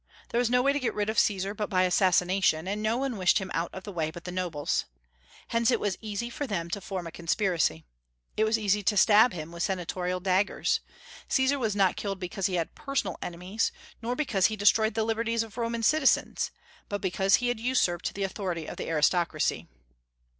There was no way to get rid of Caesar but by assassination, and no one wished him out of the way but the nobles. Hence it was easy for them to form a conspiracy. It was easy to stab him with senatorial daggers. Caesar was not killed because he had personal enemies, nor because he destroyed the liberties of Roman citizens, but because he had usurped the authority of the aristocracy.